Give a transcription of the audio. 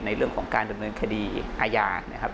ในเรื่องของการดูดเงินคดีอาญา